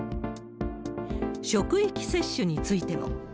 職域接種についても。